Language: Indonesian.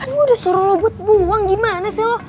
kan udah suruh lo but buang gimana sih lo